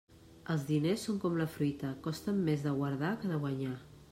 Els diners són com la fruita, costen més de guardar que de guanyar.